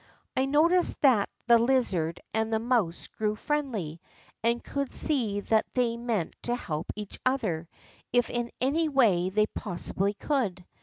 I noticed that the lizard and the mouse gTew friendly, and could see that they meant to help each other if in any way they possibly could.